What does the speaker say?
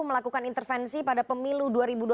melakukan intervensi pada pemilu dua ribu dua puluh